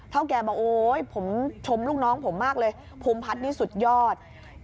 แกบอกโอ๊ยผมชมลูกน้องผมมากเลยภูมิพัฒน์นี่สุดยอด